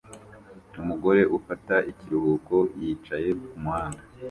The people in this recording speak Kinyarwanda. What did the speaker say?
Umugore ufata ikiruhuko yicaye kumuhanda